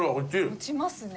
落ちますね。